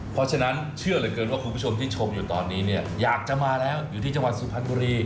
เพราะฉะนั้นเชื่อเหลือเกินว่าคุณผู้ชมที่ชมอยู่ตอนนี้เนี่ยอยากจะมาแล้วอยู่ที่จังหวัดสุพรรณบุรี